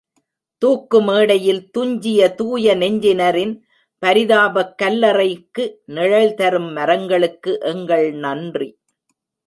தூக்குமேடையில் துஞ்சிய தூயநெஞ்சினரின் பரிதாபக் கல்லறைக்கு நிழல் தரும் மரங்களுக்கு எங்கள் நன்றி.